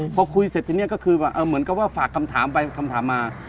พอคุยเสร็จทีนี้ก็คือเหมือนกับว่าฝากคำถามไปคำถามมา